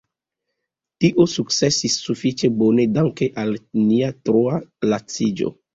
Tio sukcesis sufiĉe bone danke al nia troa laciĝo.